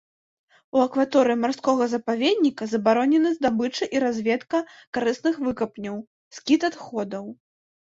У акваторыі марскога запаведніка забаронены здабыча і разведка карысных выкапняў, скід адходаў.